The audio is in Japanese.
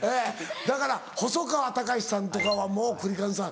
だから細川たかしさんとかはもうクリカンさん。